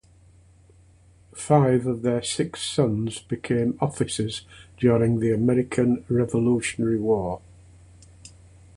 Five of their six sons became officers during the American Revolutionary War.